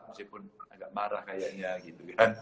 meskipun agak marah kayaknya gitu kan